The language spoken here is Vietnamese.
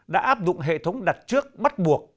đã áp dụng hệ thống đặt trước bắt buộc